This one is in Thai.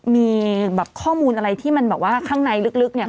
มีแบบข้อมูลอะไรที่มันแบบว่าข้างในลึกเนี่ย